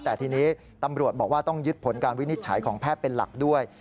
แต่ทีนี้ตำรวจบอกว่าต้องยึดผลการวินิจฉัยของแพทย์เป็นหลักด้วย